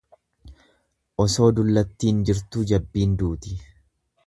Osoo dullattiin jirtuu jabbiin duuti.